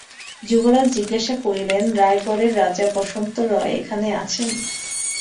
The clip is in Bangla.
যুবরাজ জিজ্ঞাসা করিলেন, রায়গড়ের রাজা বসন্ত রায় এখানে আছেন?